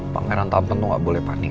pangeran tampen tuh gak boleh panik